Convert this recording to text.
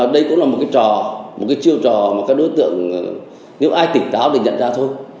đây cũng là một cái trò một cái chiêu trò mà các đối tượng nếu ai tỉnh táo mình nhận ra thôi